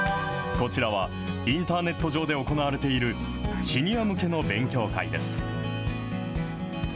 こちらは、インターネット上で行われているシニア向けの勉強会です。